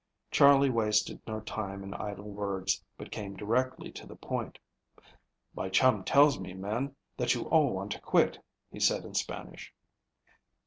Charley wasted no time in idle words, but came directly to the point. "My chum tells me, men, that you all want to quit," he said in Spanish.